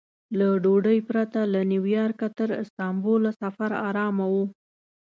له ډوډۍ پرته له نیویارکه تر استانبوله سفر ارامه و.